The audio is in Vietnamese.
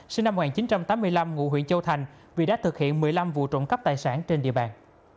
sinh năm một nghìn chín trăm tám mươi năm ngụ huyện châu thành vì đã thực hiện một mươi năm vụ trộm cắp tài sản trên địa bàn